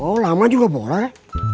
oh lama juga boleh